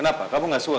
muda biasa mas